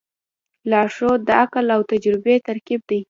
لارښود د عقل او تجربې ترکیب دی.